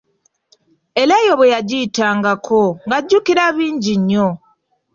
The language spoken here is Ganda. Era eyo bwe yagiyitangako, ng'ajjukira bingi nnyo.